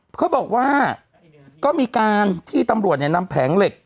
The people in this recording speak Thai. เขาบอกว่าก็มีการที่ตำรวจเนี่ยนำแผงเหล็ก